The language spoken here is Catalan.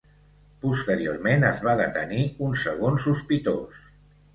Posteriorment es va detenir un segon sospitós.